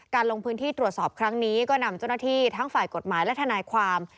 ลงพื้นที่ตรวจสอบครั้งนี้ก็นำเจ้าหน้าที่ทั้งฝ่ายกฎหมายและทนายความ